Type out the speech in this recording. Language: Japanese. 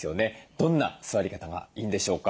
どんな座り方がいいんでしょうか？